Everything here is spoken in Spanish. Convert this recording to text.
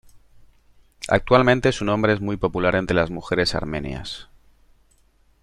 Actualmente su nombre es muy popular entre las mujeres armenias.